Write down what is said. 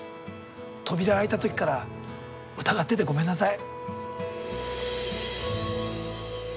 扉開いた時から疑っててごめんなさい。